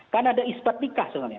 kan ada ispat nikah sebenarnya